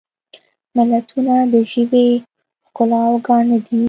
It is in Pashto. متلونه د ژبې ښکلا او ګاڼه دي